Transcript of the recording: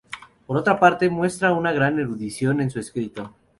Por otra parte, muestra una gran erudición en su escrito.